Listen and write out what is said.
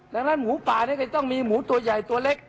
ดังนั้นหมูป่านี่ก็ต้องมีหมูตัวใหญ่ตัวเล็ก